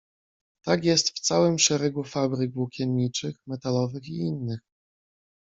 "Tak jest w całym szeregu fabryk włókienniczych, metalowych i innych."